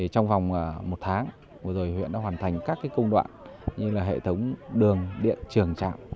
trong vòng một tháng vừa rồi huyện đã hoàn thành các công đoạn như là hệ thống đường điện trường trạm